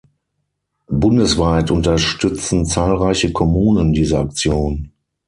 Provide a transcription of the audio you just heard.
Bundesweit unterstützen zahlreiche Kommunen diese Aktion.